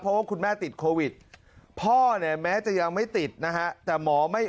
เพราะว่าคุณแม่ติดโควิดพ่อเนี่ยแม้จะยังไม่ติดนะฮะแต่หมอไม่